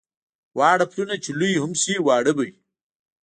واړه پلونه چې لوی هم شي واړه به وي.